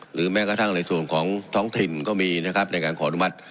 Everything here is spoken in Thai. แม้กระทั่งในส่วนของท้องถิ่นก็มีนะครับในการขออนุมัติ